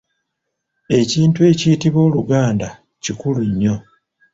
Ekintu ekiyitibwa “Oluganda” kikulu nnyo.